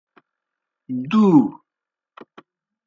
دُو۔